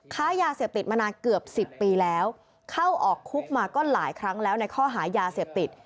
ค้ายาเสพติดมานานเกือบ๑๐ปีแล้วเข้าออกคุกมาก็หลายครั้งแล้วในข้อหายาเสพติด